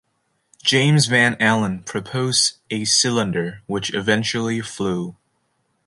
James Van Allen proposed a cylinder, which eventually flew.